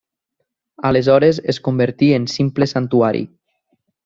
Aleshores es convertí en simple santuari.